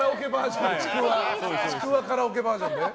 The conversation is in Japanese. ちくわカラオケバージョンね。